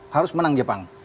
harus menang jepang